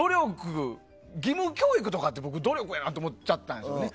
義務教育とかって努力って思っちゃったんですよね。